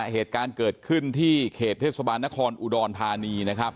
เหตุการณ์เกิดขึ้นที่เขตเทศบาลนครอุดรธานีนะครับ